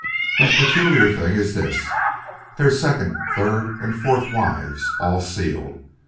And the peculiar thing is this: they're second, third, or fourth wives, all sealed.